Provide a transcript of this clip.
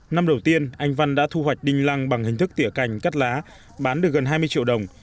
năm đầu tiên anh văn đã thu hoạch đinh lăng bằng hình thức tỉa cành cắt lá bán được gần hai mươi triệu đồng